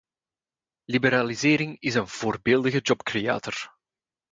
Liberalisering is een voorbeeldige job creator.